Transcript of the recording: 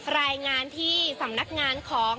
รายงานที่สำนักงานของ